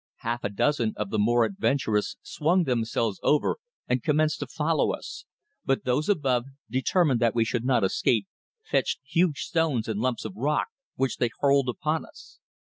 Half a dozen of the more adventurous swung themselves over and commenced to follow us, but those above, determined that we should not escape, fetched huge stones and lumps of rock, which they hurled upon us.